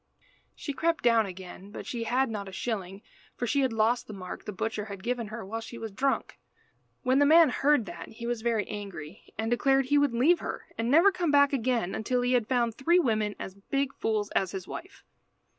She crept down again; but she had not a shilling, for she had lost the mark the butcher had given her while she was drunk. When the man heard that he was very angry, and declared he would leave her, and never come back again until he had found three women as big fools as his wife.